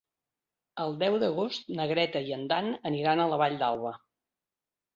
El deu d'agost na Greta i en Dan aniran a la Vall d'Alba.